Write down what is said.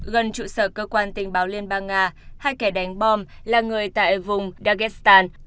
gần trụ sở cơ quan tình báo liên bang nga hai kẻ đánh bom là người tại vùng dagestan